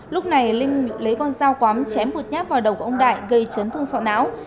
lúc này linh lấy con dao cắm chém một nhát vào đầu của ông đại gây chấn thương sọ não